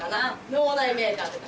脳内メーカーとか。